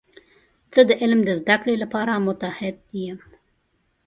زه د علم د زده کړې لپاره متعهد یم.